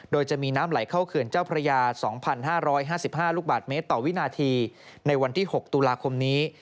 โดยจะมีน้ำไหลเข้าเขื่อนเจ้าพระยา๒๕๕๕ลูกบาทเมตรต่อวินาทีในวันที่๖ตุลาคมนี้